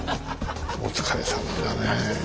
お疲れさまだねえ。